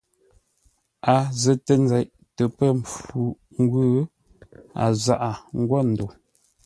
A zətə nzeʼ tə pə́ mpfu-ngwʉ̂, a zaʼa ńgwó ndo.